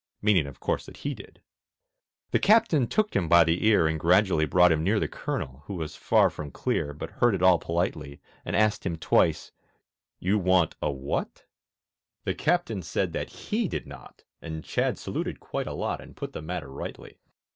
Meaning of course that he did. The Captain took him by the ear And gradually brought him near The Colonel, who was far from clear, But heard it all politely, And asked him twice, "You want a what?" The Captain said that he did not, And Chadd saluted quite a lot And put the matter rightly.